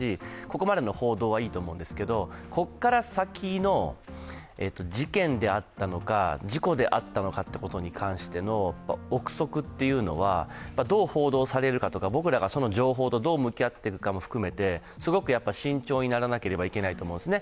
ここまでの報道はいいと思うんですけど、ここから先の事件であったのか事故であったのかということに関しての憶測というのはどう報道されるかどか、僕らがその情報とどう向き合っていくかも含めてすごく慎重にならないといけないと思うんですね。